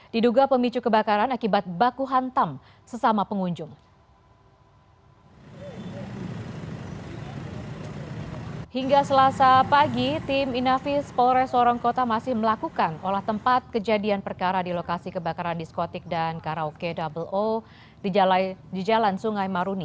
diduga pemicu kebakaran akibat baku hantam sesama pengunjung